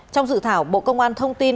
trong dự thảo bộ công an thông tin